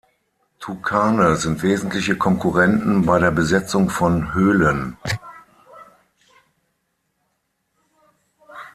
Tukane sind wesentliche Konkurrenten bei der Besetzung von Höhlen.